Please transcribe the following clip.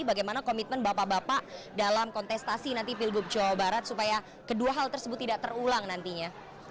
bagaimana komitmen bapak bapak dalam kontestasi nanti pilgub jawa barat supaya kedua hal tersebut tidak terulang nantinya